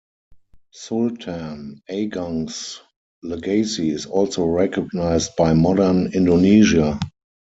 Sultan Agung's legacy is also recognised by modern Indonesia.